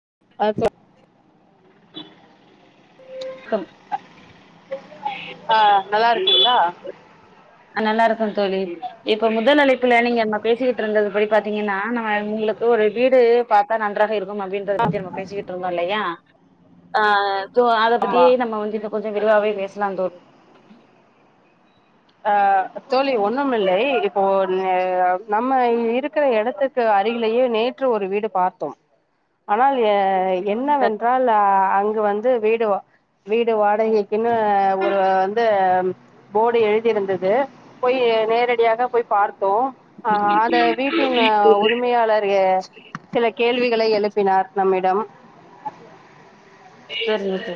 [unintelligible] கா அ நல்லாருக்கீங்ளா அ நல்லாருக்க தோழி இப்ப முதல் அழைப்புல நீங்க நம்ம பேசிக்கிட்டு இருந்தது படி பாத்தீங்கனா நம்ம உங்ளுக்கு ஒரு வீடு பாத்தா நன்றாக இருக் அப்டின்றத பத்தி நம்ம பேசிக்கிட்ருந்தோ இல்லையா அ சோ அத ஆமா பத்தியே நம்ம வந்து இப்ப கொஞ்ச விரிவாவே பேசலாந்தோ ஆ தோழி ஒண்ணும் இல்லை இப்போ நம்ம இருக்கிற இடத்துக்கு அருகிலேயே நேற்று ஒரு வீடு பார்த்தோம் ஆனால் எ என்னவென்றால் ஆ இங்க வந்து வீடு வா வீடு வாடகைக்குன்னு ஒரு வந்து போர்டு எழு தி இருந்தது போய் நேரடியாக போய் பார் தோ அந்த வீட்டின் உரிமையாளர் சில கேள்விகளை எழுப்பினார் நம்மிடம் செரிங்க தோ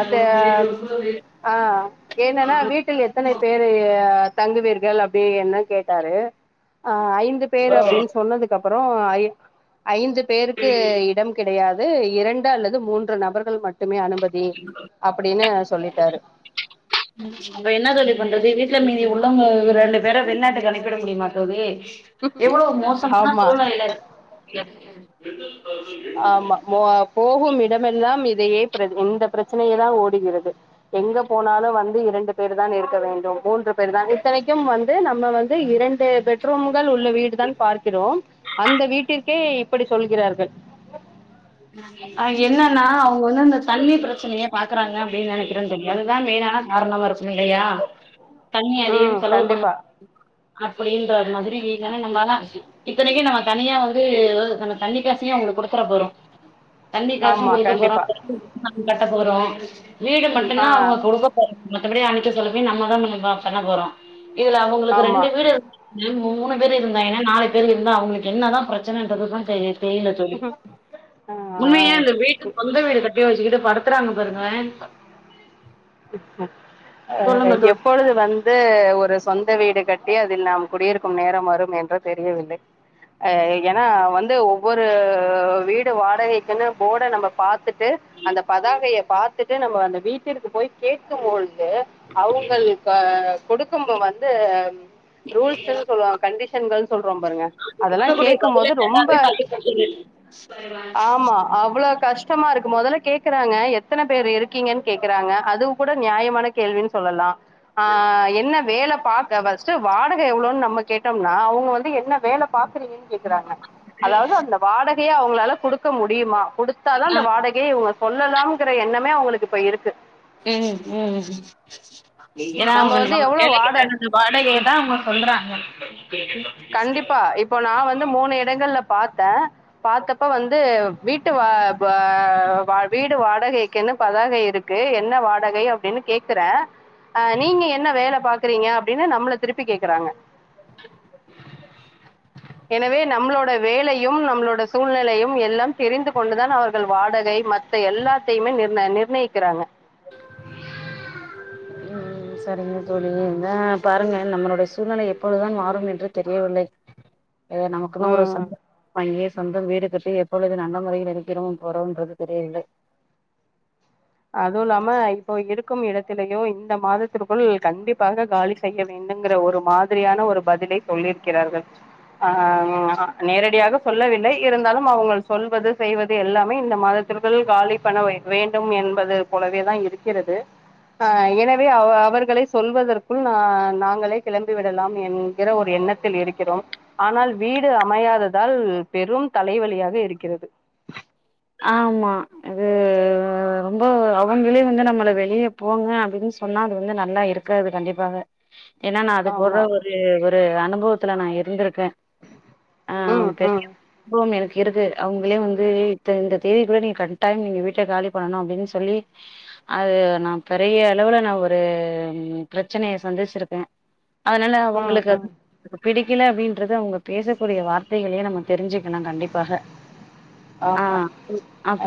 அது ஆஹ் ஆஹ் என்னன்னா வீட்டில் எத்தனை பேரு தங்குவீர்கள் அப்படி என்ன கேட்டாரு ஆஹ் ஐந்து பேர் அப்படின்னு சொன்னதுக்கு அப் அப்பறோ ஐ ஐந்து பேருக்கு இடம் கிடையாது து இரண்டு அல்லது மூன்று நபர்கள் மட்டுமே அனுமதி அப்டின்னு சொல்லிட்டாரு அப்ப என்ன தோழி பண் றது வீட்டுல மீதி உள்ளவங்க ரெண்டு பேர வெளிநாட்டுக்கு அனுபிட முடியமா தோழி எவ்ளோ மோசமான ஆமா சூழ்நிலையில இரு [unintelligible] ஆமா போ போகும் இடமெல்லாம் இதையே பிர இந்த பிரச்சனையதா ஓடுகிறது எங்க போனாலு வந்து இரண்டு பேர் தா இருக்க வேண்டும் மூன்று பேர் தான் இத்தனைக்கும் வந் து நம்ம வந்து இரண்டு பெட்ரூம் ம்கள் உள்ள வீடுதான் பார்க்கிறோம் அந்த வீட்டிற்கே அப்படி சொல்கிறார்கள் அஹ் என்னன்னா அவங்க வந்து அந்த தண்ணி பிரச்சனையே பாக்குறாங்க அப்படின்னு நினைக்கிறே தோழி அதுதா மெயின்னா காரணமா இரு இல்லையா தண்ணி ம் அதிகம் செலவு பண்ண கண்டிப்பா அப்படின்ற மாதிரி ஏன்னா நம்பலா இத்தனைக்கு நம்ம தனியா வந்து நம்ம தண்ணி காசையு அவங்களுக்கு குடுத்துற போறோ தண்ணி காசு ஆமா குடுக்க போறோ கண்டிப்பா [unintelligible] கட்ட போறோ வீடு ஆ மட்டுதா அவங்க கொடுக்கப் போற மத்தபடி அனுச்சி சொல்லபி நம்மதா பண்ண பண்ண போறோ இதுல அவங்களுக்கு ஆமா ரெண்டு வீடு இருா மூணு பேர் இருந்தாங்க நாலு இருந்திருந்தா அவங்களுக்கு என்னதா பிரச்ச பிரச்சனன்றது தா தோழி தெரில தோழி ஆ உண்மையா அந்த வீட்டுக்கு சொந்த வீடு கட்டி ஒரு இது கிட்ட படுத்துறாங்க பாருங்களே அ அ எப்பொழுது வந்து ஒரு சொந் சின்ன வீடு கட்டி அதில் நாம் குடியிருக்கும் நேரம் வரும் என்று தெரியவில்லை ஏனா வந்து ஒவ்வொரு வீடு வாடகைக்குனு போட நம்ம பாத்துட்டு அந்த பதாகைய பாத்து துட்டு நம்ம அந்த வீட்டிற்க்கு போய் கேட்கும் போது அவுங்கள் கொடுக்கும் வந்து ரூல்சுனு சொல்வாங்க கண்டிஷன்கள் சொல்றோம் பாருங்க அதெல்லா குடுக்கக்கூடிய கேக்கும் பதிலே போது ரொம்ப நல்லாவே தள்ளி போகுது ஆமா அவ்ளோ கஷ்ட கஷ்டமா இருக்கு மொதல்ல கேக்குறாங்க எத்தன பேர் இருக்கீங்க கேக்குறாங்க அதுவு கூட நியாயமான கேள்வின்னு சொல்லலா ஆ என்ன வேல பாக்க ஃபர்ஸ்ட் வாடக எவ்ளோன்னு நம்ம கேட்டோம்னா அவுங்க வந்து என்ன வேல பாக்குறீங்கனு கேக்குறாங்க அதாவது அந்த வாடக அவுங்களால குடுக்க முடியுமா குடுத்தாதா ஆ அந்த வாடகையே இவுங்க சொல்லலாம்ங்குற எண்ணமே அவுங்களுக்கு இப்ப இருக்கு உம் உம் ம் ஏனா நம்ம வந்து அவுங்க எவ்வளோ வேலைக்கு வாடகை தகுந்த வாடகைய தா அவுங்க சொல்றாங்க கண்டிப்பா இப்ப நா வந்து மூணு இடங்கள்ல பாத்தே பாத்தப்ப வந்து வீட்டு வா வா வீடு வாடகைக்குனு பதாகை இருக்கு என்ன வாடகை அப்டினு கேக்குற ஆ நீங்க என்ன வேல பாக் பாக்குறீங்க அப்டினு நம்மள திருப்பி கேக்குறாங்க எனவே நம்மளோட வேலையும் நம்மளோட சூழ்நிலையும் எல்லாம் தெரிந்து கொண்டு தான் அவர்கள் வாடகை மத் எல்லாத்தையுமே நிர்ன நிர் நிர்ணயிக்கிறாங்க உம் ம் சரிங்க தோழி என்ன பாருங்க நம்மளுடைய சூழ்நிலை எப்பொழுது தான் மாறும் என்று தெரியவில்லை ஏதோ நமக்குன்னு ஒரு ம். சேந்த வீட வாங்கி சொந்த வீடு கட்டி எப்பொழுது நல்ல முறையில் இருக்கிறோம் போறோம் என்று தெரியவில்லை அதுவும் இல்லாம இப்போ இருக்கும் இடத்திலயோ இந்த மாதத்திற்குள் கண்டிப்பாக காலி செய்ய வேண்டும்ங்கிற ஒரு மாதிரியான ஒரு பதிலை சொல்லியிருக்கிறார்கள் ஆ நேரடியாக சொல்லவில்லை இருந்தாலும் அவுங்கள் சொல்வது செய்வது எல்லாமே இந்த மாதத்திற்குள் காலி பண்ண வேண்டும் என் பது போலவே தான் இருக்கிறது அ எனவே அவ அவர்களை சொல்வதற்குள் நா நாங்களே கிளம்பி விடலாம் என்கிற ஒரு எண்ணத்தில் இருக்கிறோம் ஆனால் வீடு அமையாததால் பெரும் தலைவலியாக இருக்கிறது ஆமா அது ரொம்போ அவுங்களே வந்து நம்மள வெளியே போங்க அப்டினு சொன்னா அது வந்து நல்லா இருக்காது கண்டிப்பாக ஏனா நா அது போக ஆமா ஒரு ஒரு அனுப அனுபவத்துல நா இருந்திருக்க ஆ ம் பெரிய ம் அனுபவம் எனக்கு இருக்கு அவுங்களே வந்து இந்த தேதிக்குள்ள நீங்க கட்டாயம் நீங்க வீட்ட காலி பண்ணனும் அப்டினு சொல்லி அது நா பெரிய அளவுல நா ஒரு பிரச்சனைய சந்திச்சிருக்கே அதனால ம் அவுங்களுக்கு ம் பிடிக் புடிக்கல அப்படின்றது அவுங்க பேசக்கூடிய வார்த்தைகளையே நம்ம தெரிஞ்சுக்கலா கண்டிப்பாக ஆ ஆமா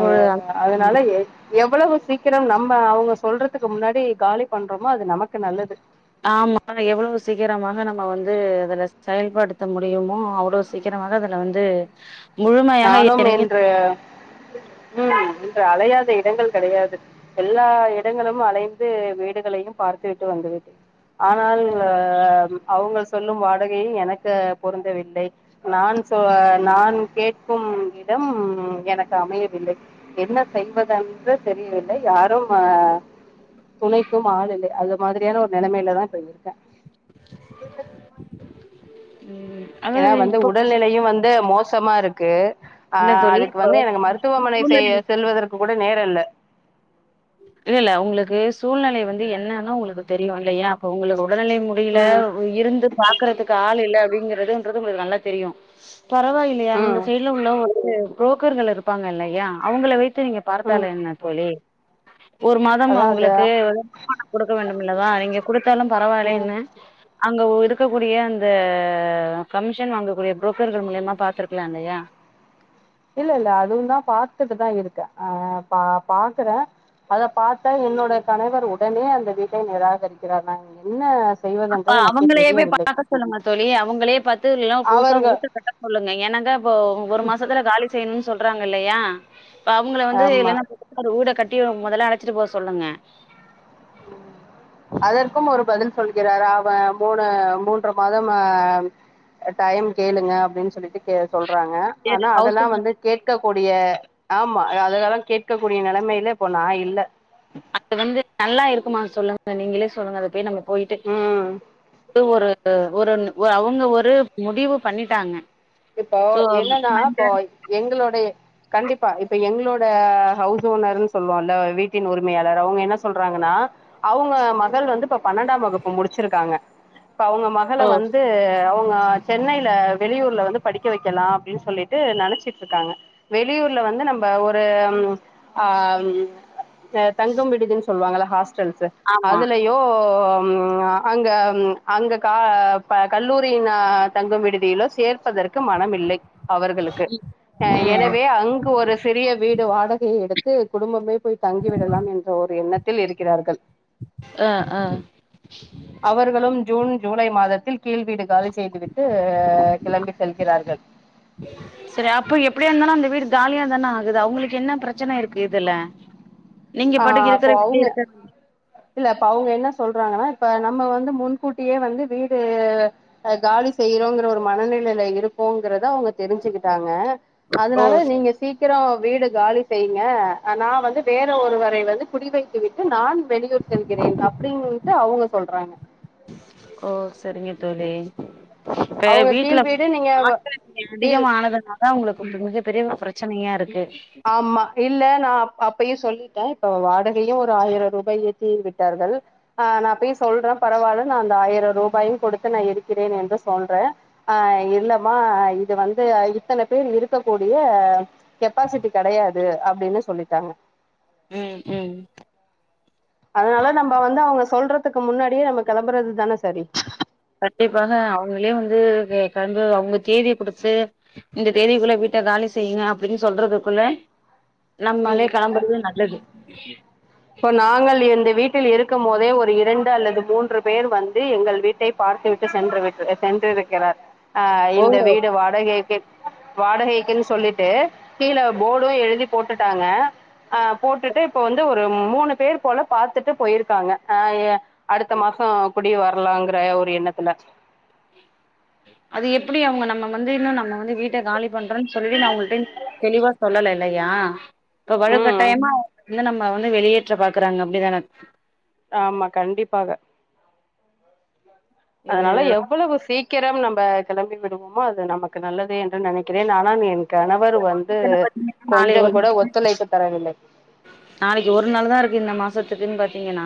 அ அதனால ம் எவ்வளவு சீக்கிரம் நம்ம அவுங்க சொல்றதுக்கு முன்னாடி காலி பண்றோமோ அது நமக்கு நல்லது ஆமா எவ்வளவு சீக்கிரமாக த்த முடியுமோ அவ்வளோ சீக்கிரமாக அதுல வந்து முழுமையாக நானும் இறங்கி இன்று உம் உம் இந்த அலையாத இடங்கள் கெடையாது எல்லா இடங்களும் அலைந்து வீடுகளையும் பார்த்து விட்டு வந்துவிட்டேன் ஆனால் அ அவுங்க சொல்லும் வாடகையும் எனக்கு பொருந்தவில்லை நான் சொ நான் கேக் [unintelligible] இடம் உம் எனக்கு அமையவில்லை என்ன செய்வதன்ற தெரியவில்லை யாரும் அஹ் துணைக்கும் ஆள் இல்லை அது மாதிரியான ஒரு நெலைமையிலதான் இப்ப இருக்கேன் ம் ஏன்னா அதாவது வந்து இப்போ உடல்நெலையும் வந்து மோசமா இருக்கு இல்ல அஹ் தோழி அதுக்கு இப்ப வந்து எனக்கு மருத்துவமனை சேய செல்வதற்கு கூட நேரோ இல்ல இல்ல இல்ல உங்களுக்கு சூழ்நிலைய வந்து என்னன்னு உங்களுக்கு தெரியு இல்லையா அப்ப உங்களுக்கு உடல்நிலை முடியல ம் இருந்து பாக்கறதுக்கு ஆள் இல்ல அப்படிங்கிறதுன்றது உங்களுக்கு நல்லா தெரியும் பரவாயில்லையா ம் அந்த சைடுல உள்ள ஒ இது புரோக்கர்கள் இருப்பாங்க இல்லையா அவுங்களை வைத்து நீங்க ம் பார்த்தால் என்ன தோழி ஒரு மாதம் அதான் அது அவுங்களுக்கு வருமானம் குடுக்க வேண்டும் உள்ளதா அவீங்க கொடுத் குடுத்தாலும் ம் பரவாயில்லைன்னே அங்க இருக்கக்கூடிய அந்த கமிஷன் வாங்கக்கூடிய புரோக்கர்கள் மூலியமா பாத்துருக்கலாம் இல்லையா இல்ல இல்ல அதுவும் தான் பார்த்துட்டுதான் இருக்கே அஹ் பா பாக்குறே அத பார்த்தா என்னோட கணவர் உடனே அந்த வீட்டை நிராகரிக்கிறார் நான் என்ன அப்ப செய்வதென்றே எனக்கே அவங்களையே போய் தெரியவில்லை பார்க்க சொல்லுங்க தோழி அவுங்களே பத்து எல்லாம் புதுசா அவர்கள் ஊட்டு கட்ட சொல்லுங்க ஏன்னாக்கா இப்போ ஒரு மாசத்துல காலி செய்யனு உம் சொல்றாங்க இல்லயா இப்ப அவுங்களை வந்து ஆமா இல்லைன்னா ஒரு வூட கட்டி முதல்ல அடைச்சிட்டு போகச் சொ சொல்லுங்க அதற்கும் ஒரு பதில் சொல்கிறார் அவன் மூணு மூன்று மாதம் அஹ் டைம் கேளுங்க அப்டின்னு சொல்லிட்டு சொல்றாங்க சரி ஆனா ஹவுஸ் அதெல்லா ஓனர் வந்து கேட்க கூடிய ஆமா அது அதுக்கெல்லா கேட்க கூடிய நெலைமைல இப்போ நான் இல்ல அது வந்து நல்லா இருக் சொல்லுமா சொல்லுங்க நீங்களே சொல்லுங்க அதுப்போய் நம்ம போயிட்டு ம் அது ஒரு ஒருன்னு ஒரு அவுங்க ஒரு முடிவு பண்ணிட்டாங்க இப்போ சோ என்னன்னா இப்போ எங்களுடைய கண்டிப்பா இப்ப எங்களோட ஹவுஸ் ஓனர்ன்னு சொல்லுவோம் இல்லை வீட்டின் உரிமையாளர் அவுங்க என்ன சொல்றாங்கன்னா அவுங்க மகள் வந்து இப்ப பன்னெண்டாம் வகுப்பு முடிச்சிருக்காங்க இப்ப அவுங்க மகளளை ஓ வந்து அவுங் ம சென்னைல வெளியூர்ல வந்து படிக்க வக்கலா அப்டின் சொல்லிட்டு நனைச்சிட்ருக்காங்க வெளியூர்ல வந்து நம்ப ஒரு அ ம் தங்கும் விடுதுன் சொல்வாங்கல ஹாஸ் ஸ்டல்ஸு ஆமா அதுலயோ ம அங்க அங்க கா கல்லூரியின தங்கும் விடுதியில சேர்ப்பதற் மிக்க மனம் இல்லை அவர்களுக்கு அ ம் எனவே அங்கு ஒரு சிறிய வீடு வாடகையை எடுத்து குடும்பமே போய் தங்கி விடலா என்ற ஒரு எண்ணத்தில் இருக்கிறார்கள் ஆ ஆ அவர்களும் ஜூன் ஜூலை மாதத் கீழ் வீடு காலி செய்துவிட்டு கிளம்பிட் சரி அப்போ எப்பிடியா இருந்தாலும் அந்த வீடு காலியா தான ஆகுது அவுங்களுக்கு என்ன ப்ரச்சன இருக்கு இதுல நீங்க அ பாட்டுக்கு அப்போ இருக்கிற வீட்லயே அவ்ங்க இருக்க இல்ல இப்ப அவ்ங்க என்ன சொல்றாங்கன்னா இப்ப நம்ம வந்து முன்கூட்டியே வந்து வீடு காலி செய்றோங்கிற ஒரு மனநிலையில இருப்போங்குறத அவுங்க தெரிஞ்சுக்கிட்டாங்க ஓ அதனால சரி நீங்க சீக்கிரோ வீடு காலி செய்யுங்க ஆனா வந்து வேற் ற ஒருவரை வந்து குடிவைத்து விட்டு நான் வெளியூர் செல்கிறேன் அப்டின்ட்டு அவ்ங்க சொல்றாங்க ஓ சரிங்க தோழி ப்ப அவுங்க வீட்ல கீழ் வீடு நீங்க [unintelligible] ஆட்கள் கீழ் அதிகம் ஆனதுனால தா உங்களுக்கு மிகப்பெரிய பிரச்சனையா இருக்கு ஆம்மா இல்ல நா அப் ப்பயு சொல்லிட்ட இப்ப வாடகையு ஒரு ஆயிர ரூபாய் ஏத்தி விட்டார்கள் அ நா போய் சொல்ற பரவால்ல நா அந்த ஆயிர ரூபாயு குடுத்து நா இருக்கிறேன் என்று சொல்றே அ இல்லமா இது வந்து இத்தன பேர் இருக்கக்கூடிய பாசிட்டி கடையாத் து அப்பிடின்னு சொல்லிட்டாங்க. ம் ம் அதுனால நம்ப வந்து அவ்ங்க சொல்றதுக்கு முன்னாடியே நம்ப களம்புறது தான சரி கண்டிப்பாக அவங்கயே வந்து வே களம்பு அவ்ங்க தேதிய குடுத்து இந்த தேதிக்குள்ள வீட்ட காலி செய்யுங்க அப்டினு சொல்றதுக்குள்ள ம் நம்மளே கெளம்புறது நல்லது இப்ப நாங்கள் எந்து வீட்டில் இருக்கும்போதே ஒரு இரண்டு அல்லது மூன்று பேர் வந்து எங்கள் வீட்டை பார்த்து விட்டு சென்றுவிட்டு சென்றுவிட்டது சென்றிருக்கிறார் அ ஓ இந்த வீடு வாடகைக்கு வாடகைக்குன் சொல்லிட்டு கீழ போடும் எழுதி போட்டுட்டாங்க ஆ போட்டுட்டு இப்ப வந்து ஒரு ஒரு மூணு பேர் போல பாத்துட்டு போய்ருக்காங்க அய்ய அடுத்த மாசோ குட் அப்டி வர்லாங்ற ஒரு எண்ணத்துல அது எப்புடி அவ்ங்க நம்ம வந்து இன்னு நம்ம வந்து வீட்ட காலி பண்றோன் சொல்லி நா உங்கள்ட தெளிவா சொல்லலே இல்லையா வழுக் ம் கட்டாயமா வ நம்ம வந்து வெளியேற்ற பாக்குறாங்க அப்படிதானே ஆமா கண்டிப்பாக இது அதனால எவ்வளவு சீக் சீக்கிரம் நம்ம கிளம்பி விடுவோமோ அது நமக்கு நல்லது என்று நினைக்கிறேன் நனா என் கணவர் வந்து நாளை கொஞ்ச ஒரு கூட ஒத்துழைப்பு தரவில்லை க்குன்னு பாத்தீங்கன்னா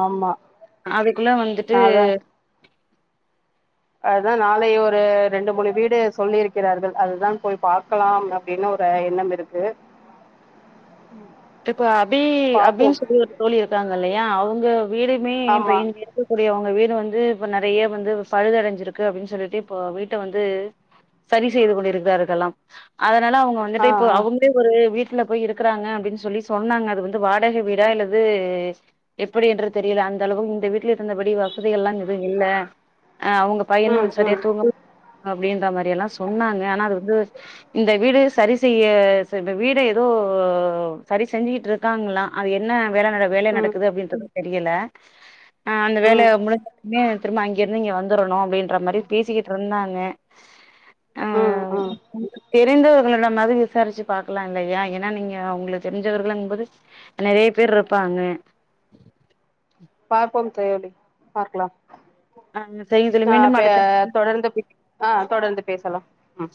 ஆமா அதுக்குள்ளாம் வந்துட்டு அதுதான் நாளை ஒரு ரெண்டு மூணு வீடு சொல்லியிருக்கிறார்கள் அதுதான் போய் பாக்கலாம் அப்படின் ஒரு எண்ணம் இருக்கு இப்ப அபி அபின்னு பாப்போம் சொல்லி ஒரு தோழி இருக்காங்க இல்லையா அவங்க உங்க வீடுமே இப்ப ஆமா [unintelligible] அவங்க வீடு வந்து இப்ப நிறைய வந்து பழுதடைஞ்சிருக்கு அப்படின்னு சொல்லிட்டு இப்ப வீட்டை வந்து சரி செய்து கொண்டிருக்கிறார்க ளாம் அத அவங்க ஆ வந்துட்டு இப்ப ஆ அவங்களே ஒரு வீட்டு வீட்ல போய் இருக்காங்க அப்படின்னு சொல்லி சொன்னாங்க அது வந்து வாடகை வீடா அல்லது எப்படி என்று தெரியல அந்த அளவுக்கு இந்த வீட்டுல இருந்தபடி வசதிகள் எல்லா இதுவு இல்ல ஆஹ் அவங்க பையன்னும் ம் சரியா ம் தூங்கல அப்படின்ற மாதிரி எல்லாம் சொன்னாங்க ஆனா அது வந்து இந்த வீடு சரி செய்ய இந்த வீடை ஏதோ சரி செஞ்சுிக்கிட்டு இருக்காங்களா அது என்ன வேலை நட வேலை ம் நடக்குது அப்படின்றது தெரியல ஆஹ் அந்த வேலை ம் [unintelligible] திரும்ப அங்க இருந்து இங்க வந்துடணு அப்படின்ற மாதிரி பேசிகிட்டு இருந்தாங்க ம் ஆஹ் ம் தெரிந்தவர்களிடமாவது விசாரிச்சு பாக்கலா இல்லையா ஏன்னா நீங்க உங்களுக்கு தெரிஞ்சவர்களங்க போது நிறைய பேர் இருப்பாங்க பார்ப்போம் தோழி பார்க்லாம் ஆ சரிங்க தோழி ஆஹ மீண்டும் ப்ப அடுத்த தொடர்ந்து ஆஹ் தொடர்ந்து பேசலாம் உம்